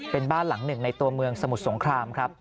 เป็นบ้านหลังหนึ่งในตัวเมืองสมุทรสงครามครับ